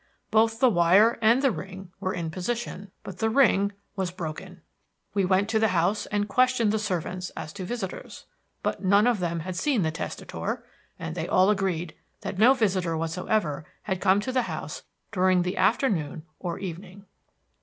Both the wire and the ring were in position, but the ring was broken. We went to the house and questioned the servants as to visitors; but none of them had seen the testator, and they all agreed that no visitor whatsoever had come to the house during the afternoon or evening.